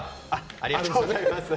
ありがとうございます。